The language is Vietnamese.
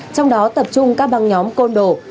trong đó tập trung các băng nhóm côn đối